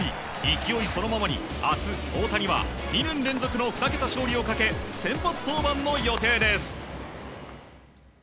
勢いそのままに明日、大谷は２年連続の２桁勝利をかけ先発登板の予定です。